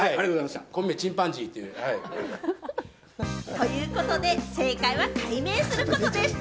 ということで正解は改名することでした。